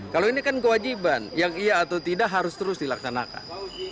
kalau ini kan kewajiban yang iya atau tidak harus terus dilaksanakan